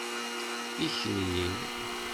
Ikrir.